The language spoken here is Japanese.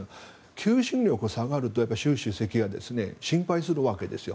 求心力が下がると習主席は心配するわけですよ。